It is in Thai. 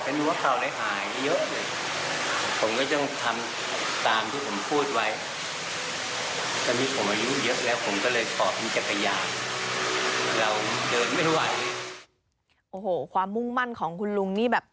โอ้โหความมุ่งมั่นของคุณลุงนี่แบบ